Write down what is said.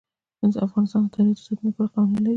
افغانستان د تاریخ د ساتنې لپاره قوانین لري.